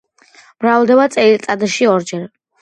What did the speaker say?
მრავლდება წელიწადში ორჯერ.